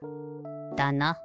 だな。